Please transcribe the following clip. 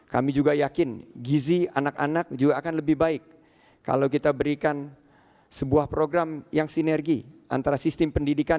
kami juga yakin gizi anak anak juga akan lebih baik kalau kita berikan sebuah program yang sinergi antara sistem pendidikan